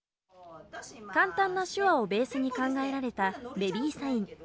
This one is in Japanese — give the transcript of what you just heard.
簡単な手話をベースに考えられたベビーサイン。